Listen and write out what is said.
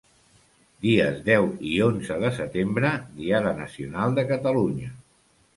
Dies deu i onze de setembre, Diada Nacional de Catalunya.